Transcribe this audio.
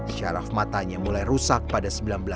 syaraf matanya mulai rusak pada seribu sembilan ratus delapan puluh